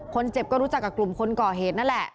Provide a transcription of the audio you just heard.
คนเจ็บก็รู้จักกับกลุ่มคนก่อเหตุนั่นแหละ